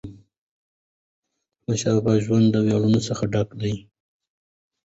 د احمدشاه بابا ژوند د ویاړونو څخه ډک و.